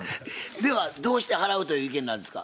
ではどうして払うという意見なんですか？